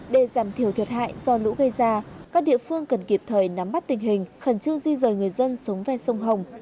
để giảm thiểu thiệt hại do lũ gây ra các địa phương cần kịp thời nắm bắt tình hình khẩn trương di rời người dân sống ven sông hồng